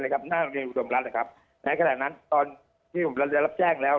ในขณะนั้นเมื่อกี้ที่ผมได้รับแจ้งแล้ว